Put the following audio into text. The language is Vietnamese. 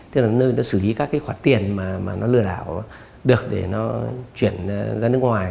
tức là nơi xử lý các khoản tiền mà nó lừa đảo được để nó chuyển ra nước ngoài